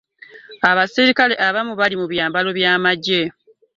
Abaserikale abamu baali mu byambalo by'amagye.